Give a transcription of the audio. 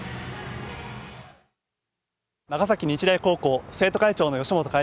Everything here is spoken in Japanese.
長崎日大高校生徒会長の吉本夏